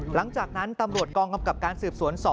หลังจากนั้นตำรวจกองกำกับการสืบสวน๒